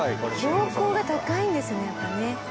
標高が高いんですねやっぱね。